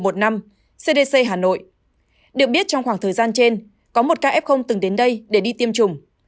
được biết trong khoảng thời gian trên có một ca f từng đến đây để đi tiêm chủng